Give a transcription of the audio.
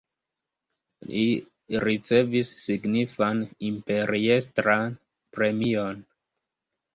Li ricevis signifan imperiestran premion.